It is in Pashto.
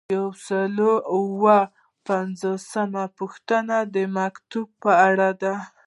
یو سل او اووه پنځوسمه پوښتنه د مکتوب په اړه ده.